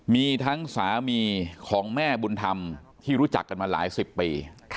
มีทั้งสามีของแม่บุญธรรมที่รู้จักกันมาหลายสิบปี